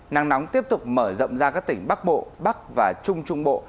nắng nóng tiếp tục mở rộng ra các tỉnh bắc bộ bắc và trung trung bộ